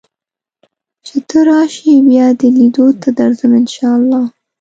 چې ته راشې بیا دې لیدو ته درځم ان شاء الله